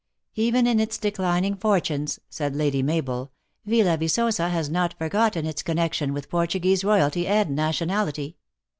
"Even in its declining fortunes," said Lady Mabel, " Yilla Yicosa has not forgotten its connection with Portuguese royalty and nationality.